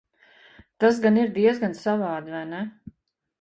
Tas gan ir diezgan savādi, vai ne?